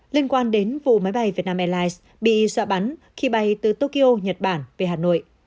liên quan đến vụ máy bay vietnam airlines bị dọa bắn khi bay từ tokyo nhật bản về hà nội